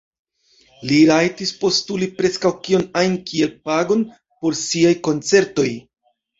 Li rajtis postuli preskaŭ kiom ajn kiel pagon por siaj koncertoj.